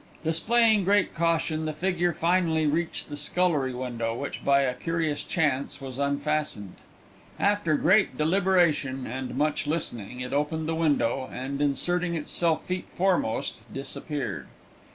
Displaying great caution, the figure finally reached the scullery window, which by a curious chance was unfastened. After great deliberation, and much listening, it opened the window, and inserting itself feet foremost disappeared.